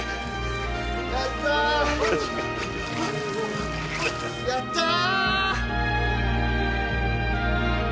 やったーやったー！